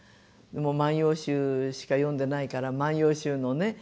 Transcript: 「万葉集」しか読んでないから「万葉集」のね